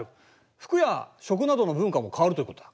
服や食などの文化も変わるということだ。